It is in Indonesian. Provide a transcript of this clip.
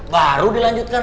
baru dilanjutkan lagi